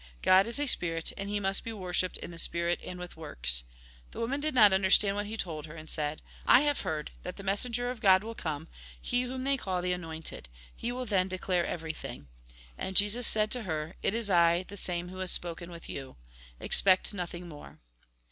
God is a spirit, and He must be worshipped in the spirit and with works." The woman did not understand what he told her, and said :" I have heard that the messenger of God will come, he whom they call the anointed. He will then declare everything." And Jesus said to her :" It is I, the same who has spoken with you. Expect nothing more."